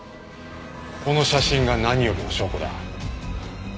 この写真が何よりの証拠だ。